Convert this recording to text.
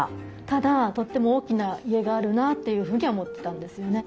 ただとっても大きな家があるなあというふうには思ってたんですよね。